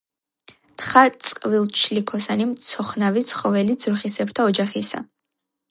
თხა წყვილჩლიქოსანი მცოხნავი ცხოველი ძროხისებრთა ოჯახისა.